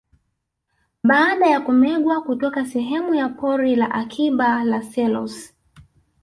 Baada ya kumegwa kutoka sehemu ya Pori la Akiba la Selous